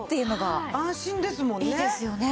安心ですもんね。